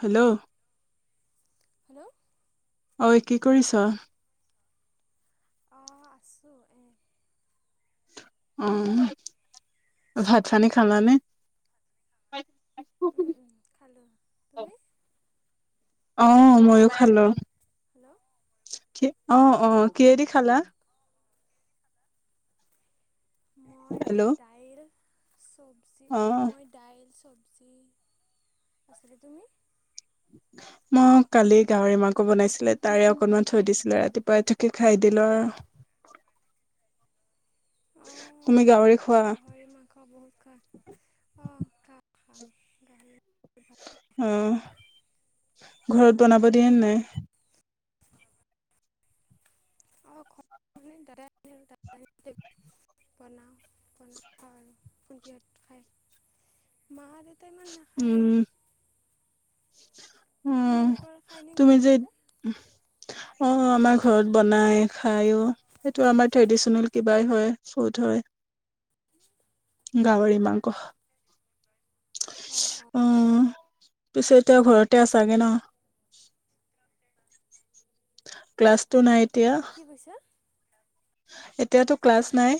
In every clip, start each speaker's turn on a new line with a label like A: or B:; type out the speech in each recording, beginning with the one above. A: Hello
B: hello
A: ঐ কি কৰিছ।
B: অ আছোঁ এই
A: উম ভাত পানী খালানে।
B: উম উম খালোঁ তুমি।
A: অ' ম‌ইও খালোঁ
B: হেল্ল'
A: কি অ' অ'
B: অঁ
A: কিহে দি খালা।
B: মই
A: হেল্ল'
B: দাইল চবজি
A: অ
B: মই দাইল চবজি আছিলে তুমি?
A: [unintelligible] মই কালি গাহৰি মাংস বনাইছিলে তাৰে অকনমান থৈ দিছিলে ৰাতিপুৱা তাকে খাই দিলোঁ আৰু। তুমি গাহৰি খোৱা?
B: খাওঁ বহুত খাওঁ অ' খা- খা গাহৰি
A: অ' ঘৰত বনাব দিয়ে নাই।
B: সেই দাদাই আনে আৰু [unintelligible] বনাও বনাই খাওঁ আৰু ভন্তি হতেও খায়। মা দেউতা ইমান নাখায় আৰু।
A: উম উম
B: তোমালোকৰ খায়নে
A: তুমি যে
B: গোটেইকেইটা
A: অ' অ' আমাৰ ঘৰত বনাই খাইও। সেইটো আমাৰ ট্ৰেডিচনেল কিবাই হয় ফুট হয়। গাহৰি মাংস
B: অঁ অঁ
A: আহ। পিছে এতিয়া ঘৰতে আছাগে ন। ক্লাছ টু নাই এতিয়া
B: কি কৈছা।
A: এতিয়াতো ক্লাছ নাই।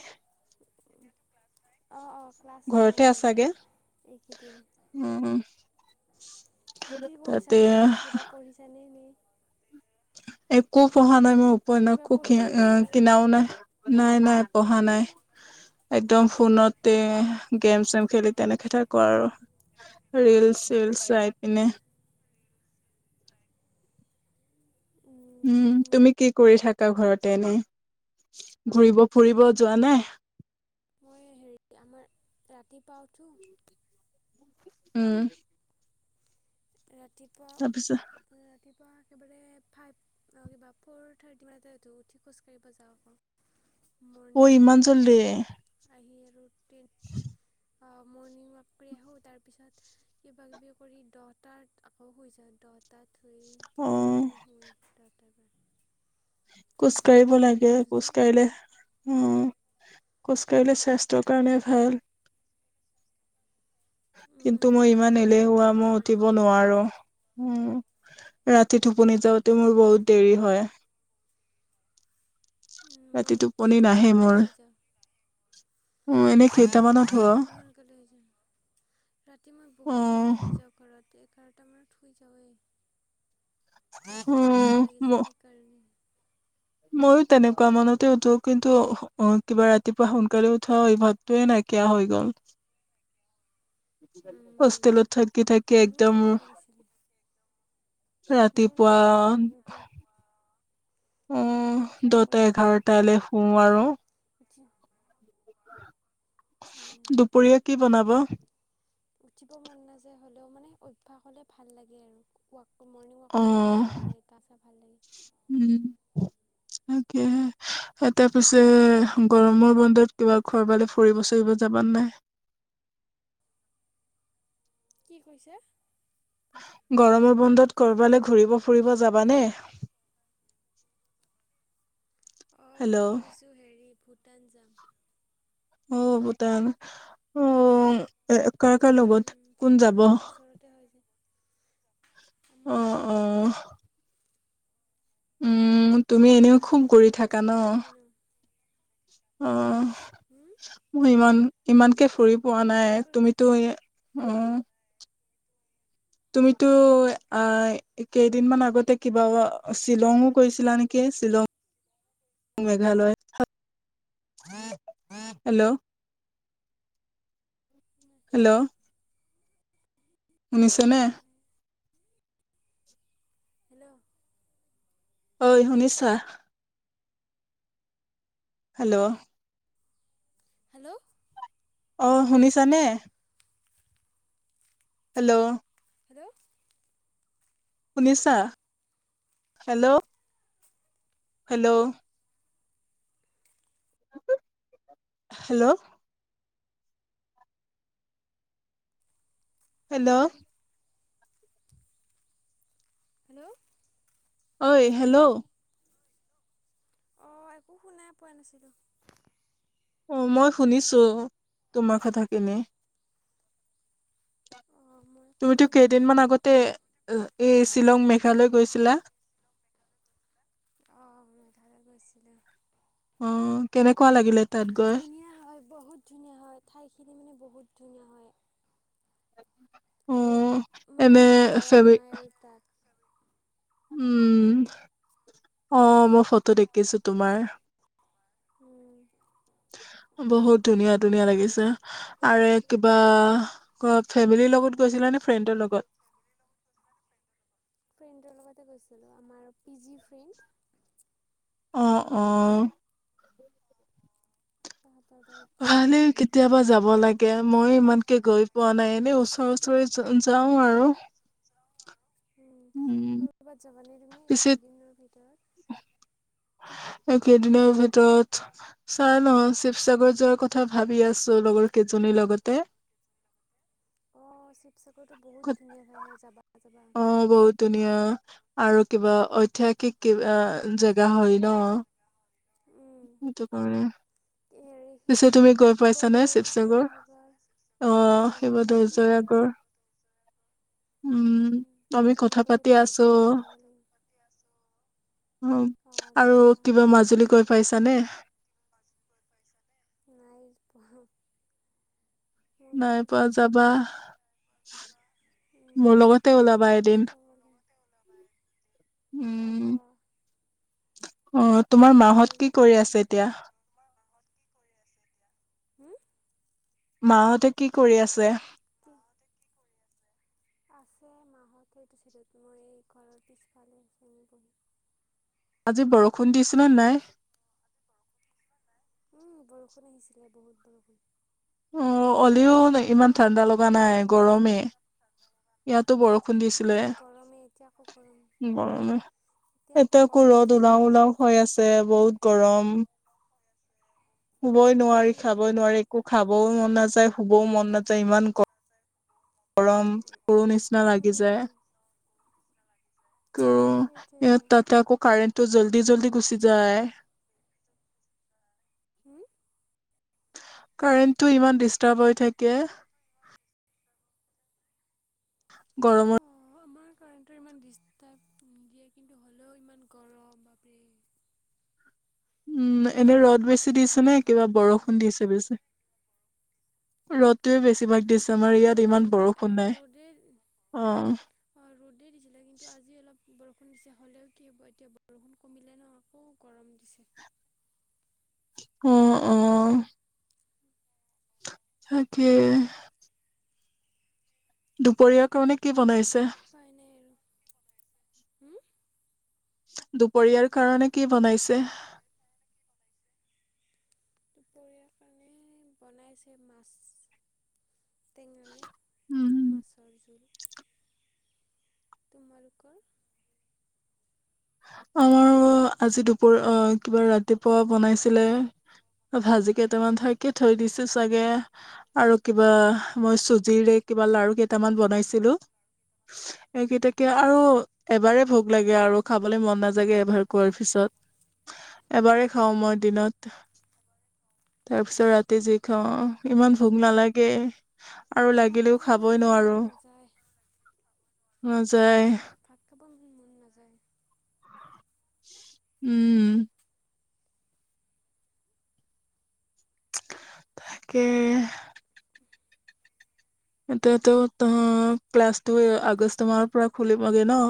B: এতিয়াতো ক্লাছ নাই। অ' অ' ক্লাছ নাই
A: ঘৰতে
B: আৰু
A: আছাগে
B: এইকেইদিন।
A: উম [unintelligible]
B: কি কৰিছা
A: তাতে
B: ঘৰত কিবা পঢ়িছানে নে।
A: একো পঢ়া নাই মই উপন্যাস ও
B: কিবা
A: একো
B: পঢ়িছা নেকি?
A: কিনাও নাই। নাই নাই পঢ়া নাই। একদম ফোনতে গেম চেম খেলি তেনেকে থাকো আৰু। ৰিল চিলচ চাই পিনে। উম তুমি কি কৰি থাকা ঘৰতে এনেই ঘূৰিব ফুৰিব যোৱা নাই।
B: মই হেৰি আমাৰ ৰাতিপুৱা উঠো।
A: উম।
B: ৰাতিপুৱা
A: তাৰপিছত
B: ৰাতিপুৱা একেবাৰে ফাইভ অঁ কিবা ফ'ৰ থাৰ্টি মানতে উঠোঁ, উঠি খোজ কাঢ়িব যাওঁ আকৌ।
A: অ
B: মৰ্ণিং ৱাক
A: ইমান
B: কৰি
A: জল্দি
B: আহোঁ, আহি আৰু টেন্ অ মৰ্ণিং ৱাক কৰি আহোঁ, তাৰপিছত কিব কিবি কৰি দহটাত আকৌ শুই যা। দহটাত শুই
A: অ
B: তিনি ঘণ্টামান শুই দহটাৰ পৰা। ফ'ৰ
A: খোজকাঢ়িব
B: থাৰ্টিত
A: লাগে,
B: উঠো
A: খোজ
B: যে
A: কাঢ়িলে অঁ খোজ কাঢ়িলে স্বাস্থ্যৰ কাৰণে ভাল। কিন্তু
B: উম
A: মই ইমান
B: সেইকাৰণে
A: এলেহুৱা মই
B: আমাৰ
A: উঠিব
B: দেউতাই
A: নোৱাৰো উম। ৰাতি টোপনি যাওঁতেও মোৰ বহুত দেৰি হয়।
B: উম মই ৰাতি
A: টোপনি নাহে মোৰ।
B: সোনকালে শুই যাওঁ।
A: উম, এনে
B: মই যে
A: কেইটামানত
B: ঘৰত
A: হয়।
B: ৰাতি সোনকালে শুই যাওঁ। ৰাতি মই বহুত
A: উম,
B: জল্দি শুই যাওঁ ঘৰত এঘাৰটা মান শুই যাওঁৱে, ৰাতিপুৱা উঠিব লাগে
A: উম,
B: যে সেইকাৰণে।
A: ময়ো তেনেকুৱা মনতে উঠো কিন্তু অ কিবা ৰাতিপুৱা সোনকালে উঠা অভ্যাস টোৱে নাইকিয়া হৈ গ'ল।
B: উম,
A: হোষ্টেলত থাকি থাকি
B: মোৰো
A: একদম
B: নাইকিয়া হৈ গৈছিলে। মোৰো
A: ৰাতিপুৱা
B: নাইকিয়া হৈ গৈছিল কিন্তু
A: উম,
B: এইকেইদিন ট্ৰাই
A: দহটা
B: কৰিছোঁ আৰু।
A: এঘাৰটালৈ শু আৰু।
B: উঠি, উম্।
A: খুৰীয়ে কি বনাব?
B: উঠিব মন নাযায় হ'লেও মানে অভ্যাস হ'লে ভাল লাগে আৰু, কুৱা মৰ্ণিং ৱাৰ্ক কৰি আহি
A: অ',
B: ভাল লাগে, গা চা লাগে।
A: উম তাকেহে এতিয়া পিছে গৰমৰ বন্ধত কিবা কৰবালে ফুৰিব চুৰিব যাবা নে নাই?
B: কি কৈছে?
A: গৰমৰ বন্ধত ক'ৰবালে ঘূৰিব ফুৰিব যাবানে?
B: অ
A: হেল্ল'
B: মই ভাবিছো হেৰি ভূটান যাম।
A: অ ভূটান অ! এ কাৰ কাৰ লগত কোন
B: ভূটান
A: যাব?
B: আমাৰ ওচৰতে হয় যে, আমাৰ
A: অ'
B: লগৰ যাব।
A: অ' উম তুমি এনেও খুব
B: ভূটান
A: ঘূৰি
B: আমাৰ
A: থাকা ন?
B: ওচৰতে হয়
A: অঁহ
B: হুম
A: মই ইমান ইমানকে ফুৰি পোৱা
B: তুমি ক
A: নাই, তুমিতো এ অঁ। তুমিতো আ কেইদিনমান আগতে কিবা শ্বিলংও গৈছিলা নেকি শ্বিলং মেঘালয় হেল্ল। হেল্ল। শুনিছেনে?
B: হেল্ল।
A: ঐ শুনিছা? হেল্ল।
B: হেল্ল?
A: অ শুনিছানে? হেল্ল।
B: হেল্ল!
A: শুনিছা hello? Hello hello hello
B: hello
A: ঐ হেল্ল'
B: অ' একো শুনাই পোৱা নাছিলোঁ।
A: অ' মই শুনিছো তোমাৰ কথাখিনি।
B: অঁ মই একো
A: তুমিতো
B: শুনি পোৱা
A: কেইদিনমান
B: নাছিলোঁ
A: আগতে এ এই শ্বিলং মেঘালয় গৈছিলা?
B: অ' মেঘালয় গৈছিলোঁ।
A: অ' কেনেকুৱা লাগিলে? তাত গৈ?
B: ধুনীয়া হয়, বহুত ধুনীয়া হয়, ঠাইখিনি মানে বহুত ধুনীয়া হয়।
A: অ'
B: আৰু মানে
A: এনে
B: ইমান গৰম
A: ফেমি
B: নাই আৰু তাত।
A: উম, অ' মই ফটো দেখিছোঁ তোমাৰ।
B: উম।
A: বহুত ধুনীয়া ধুনীয়া লাগিছে। আৰে কিবা ক ফেমিলিৰ গৈছিলা বে ফ্ৰেণ্ডৰ লগত?
B: ফ্ৰেণ্ডৰ লগতে গৈছিলোঁ, আমাৰ পি জি ফ্ৰেণ্ড।
A: অ' অ'।
B: তাহাঁতৰ লগত
A: ভালে
B: গৈছিলোঁ
A: কিট কেতিয়াবা যাব লাগে। মই ইমানকে গৈ পোৱা নাই, এনেই ওচৰ ওচৰে য যাওঁ আৰু।
B: উম, কৰবাত যাবানে তুমি
A: পিছে
B: এইকেইদিনৰ ভিতৰত?
A: এইকেইদিনৰ ভিতত চাই লওঁ, শিৱসাগৰ যোৱাৰ কথা ভাবি আছোঁ লগৰকেইজনীৰ লগতে।
B: অ' শিৱসাগৰটো বহুত
A: ক'ত
B: ধুনীয়া ঠাই হয়, যাবা যাবা।
A: অ' বহুত ধুনীয়া আৰু কিবা ঐতিহাসিক কিবা জেগা হয় ন! সেইটোকাৰনে
B: ৰে সি শিৱদৌল,
A: শিৱসাগৰ
B: জয়সাগৰ
A: অ
B: নাই নাই
A: শিৱদৌল
B: মই গৈ পোৱা
A: আগৰ
B: নাই উম,
A: আমি
B: যাম
A: কথা
B: বুলি
A: পাতি আছো
B: ভাবিছোঁ, এদিন যাব লাগিব।
A: অ,
B: অ'
A: আৰু
B: যাবা
A: কিবা
B: যাব
A: মাজুলী গৈ
B: পাৰিম
A: পাইছানে
B: নাই পঢ়া।
A: নাই পোৱা যাবা, মোৰ
B: উম,
A: লগতে ওলাবা এদিন।
B: [unintelligible] হ'ব।
A: উম অ' তোমাৰ
B: লৈ
A: মাহঁত কি
B: যাবা
A: কৰি
B: মোক।
A: আছে এতিয়া?
B: হম?
A: মাহঁতে কি কৰি আছে?
B: [unintelligible] আছে মাহঁত সেইটো ছাইডত, মই এই ঘৰৰ পিছফালে হেৰিতো
A: আজি বৰষুণ দিছে নে নাই?
B: উম, বৰষুণ আহিছিলে, বহুত বৰষুণ।
A: অ' অলেওঁ ইমান ঠাণ্ডা
B: তোমালোকৰ তাত?
A: লগা নাই, গৰমে। ইয়াতো বৰষুণ দিছিলে
B: উম গৰমেই এতিয়া আকৌ গৰম
A: গৰমে এতিয়া আকৌ ৰ'দ উলাও উলাও হয় আছে, বহুত গৰম। শুবই নোৱাৰি,
B: উম
A: খাবই নোৱাৰি, একো খাবও মন নাযায়, শুবও মন নাযায়, ইমান গ গৰম, মৰো নিচিনা লাগি যায়।
B: উম।
A: ক, ইয়াত
B: সেইটোৱেটো
A: তাতে আকৌ কাৰেণ্টো জল্দি জল্দি গুচি যায়।
B: হুম।
A: কাৰেণ্টো ইমান ডিষ্টাৰ্ব হৈ থাকে।
B: অ
A: গৰমত
B: আমাৰ কাৰেণ্টটো ইমান ডিষ্টাৰ্ব নিদিয়ে, কিন্তু হ'লেও ইমান গৰম বাপৰে।
A: উম, এনে ৰ'দ বেছি দিছে নে
B: বহুত
A: কিবা
B: গৰম
A: বৰষুণ দিছে বেছি? ৰ'দ টোয়ে বেছিভাগ দিছে,
B: এইকেইদিনটো
A: আমাৰ ইয়াত
B: ৰ'দ
A: ইমান
B: আছিল
A: বৰষুণ নাই। অ।
B: অঁ ৰ'দেই দিছিলে, কিন্তু আজি অলপ বৰষুণ দিছে, হ'লেও কি হ'ব, এতিয়া বৰষুণ কমিলে ন আকৌ গৰম দিছে।
A: উম, উম। তাকে। দুপৰীয়াৰ কাৰণে কি বনাইছে?
B: উপায় নাই আৰু। হুম
A: দুপৰীয়াৰ কাৰণে কি বনাইছে?
B: দুপৰীয়াৰ কাৰণে বনাইছে মাছ, টেঙাৰে।
A: উম,
B: মাছৰ জোল। তোমালোকৰ?
A: আমাৰ আজি দুপৰ অ কিবা ৰাতিপুৱা বনাইছিলে। ভাজি কেইটামান থাকে, থৈ দিছো চাগে। আৰু কিবা, মই চুজিৰে কিবা লাৰু কেইটামান বনাইছিলো। এইকেইটাকে,
B: উম
A: আৰু এবাৰে ভোক লাগে আৰু। খাবলৈ মন নাযায়গে এবাৰ খোৱাৰ পিছত। এবাৰেই খাওঁ মই দিনত। তাৰপিছত ৰাতি যি খাওঁ,
B: অঁ
A: ইমান ভোক নালাগে, আৰু লাগি
B: ভাত
A: গিলেও
B: খাব
A: খাবই
B: ইমান
A: নোৱাৰো,
B: মন নাযায়
A: নাযায়।
B: উম ভাত খাব মন নাযায়।
A: উম। তাকে। এতিয়াতো ত, ক্লাছটো আগষ্ট মাহৰ পৰা খুলিবগে ন?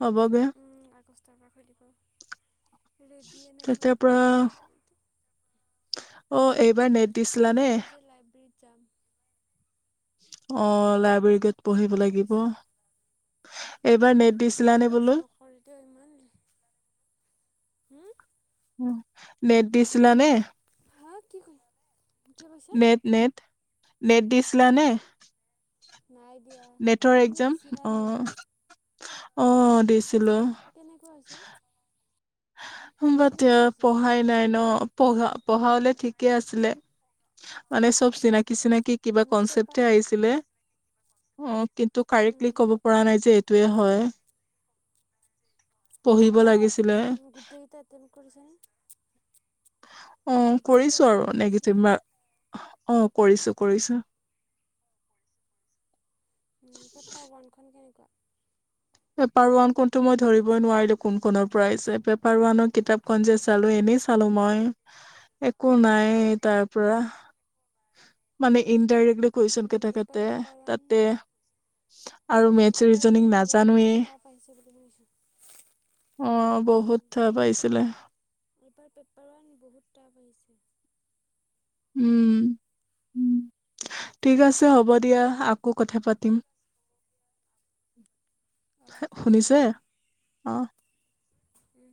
A: হবগে।
B: উম আগষ্টৰ পৰা খুলিব। ৰেডিয়ে নাই মই
A: তেতিয়াৰ পৰা
B: আগষ্টলৈকে।
A: অ, এইবাৰ নেট দিছিলা নে
B: এইবাৰ যে লাইব্ৰেৰীত যাম।
A: অ, লাইব্ৰেৰীত গৈ পঢ়িব
B: কি
A: লাগিব।
B: কৈছে
A: এইবাৰ নেট
B: ভাই
A: দিছিলানে
B: ক্লাছ
A: বোলো
B: নকৰিটো ইমান। হম?
A: নেট দিছিলা নে?
B: হা কি কৈ কি কৈছে
A: নেট, নেট? নেট দিছিলানে?
B: নাই দিয়া।
A: নেটৰ
B: তুমি
A: এক্জাম
B: দিছিলা
A: অ।
B: ন
A: অ দিছিলো।
B: কেনেকুৱা হৈছে? কেনেকুৱা
A: [unintelligible]
B: হৈছে
A: পঢ়ায় নাই ন। পঢ়া, পঢ়া হ'লে ঠিকে আছিলে। মানে চব চিনাকি চিনাকি কিবা
B: মানে পেপাৰ
A: কনচেপটহে আহিছিলে। অ, কিন্তু কাৰেক্টলি
B: উম,
A: ক'ব পৰা নাই যে এইটোৱে হয়। পঢ়িব লাগিছ
B: উম গোটেই কেইটা এটেম্প কৰিছানে?
A: উম
B: গোটেইকেইটা
A: কৰিছো আৰু
B: এটেম্প
A: নিগেটিভ
B: কৰিছিলানে
A: মাৰ্ক। অ কৰিছো, কৰিছো।
B: উম, পেপাৰ ওৱানখন কেনেকুৱা?
A: পেপাৰ ওৱান কোনটো মই ধৰিবই নোৱাৰিলো, কোন কোনৰ পৰা আহিছে পেপ পাৰৱানৰ কিতাপখন যে চালো, এনেই চালো মই। একো নাইয়ে তাৰ পৰা, মানে ইনডাইৰেক্টলি পইচা
B: উম,
A: কেইটা
B: এইবাৰ
A: কাটে,
B: পেপাৰ ওৱান
A: তাতে আৰু
B: অঁ
A: মেটচ
B: এইবাৰ
A: ৰিজনিং
B: পেপাৰ
A: নাজ
B: ওৱান বহুত
A: জানোৱেই,
B: টাফ আহিছে বুলি শুনিছোঁ
A: অ', বহুত
B: উম,
A: টাফ আহিছিলে।
B: এইবাৰ পেপাৰ ওৱান বহুত টাফ আহিছে।
A: উম উ ঠিক আছে হ'ব দিয়া, আকৌ কথা পাতিম।
B: অঁ ঠিক আছে
A: শুনিছে অ'
B: উম